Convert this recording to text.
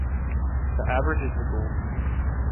The average is the Golde score.